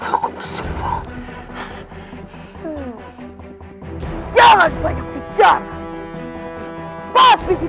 akan aku habisi kau mahisar